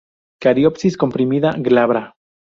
Cariopsis comprimida, glabra.